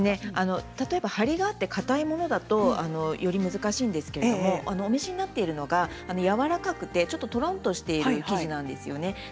張りがあって、かたいものだとより難しいんですけれどお召しになっているのがやわらかくて、ちょっととろんとしている生地なんですね。